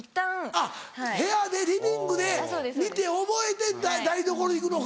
あっ部屋でリビングで見て覚えて台所行くのか。